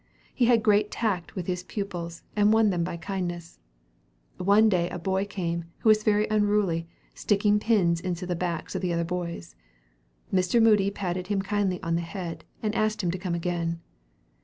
He had great tact with his pupils, and won them by kindness. One day a boy came, who was very unruly, sticking pins into the backs of the other boys. Mr. Moody patted him kindly on the head, and asked him to come again.